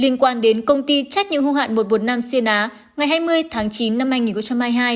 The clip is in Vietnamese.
liên quan đến công ty trách nhiệm hưu hạn một trăm một mươi năm xuyên á ngày hai mươi tháng chín năm hai nghìn hai mươi hai